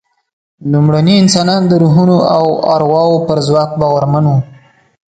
لومړني انسانان د روحونو او ارواوو پر ځواک باورمن وو.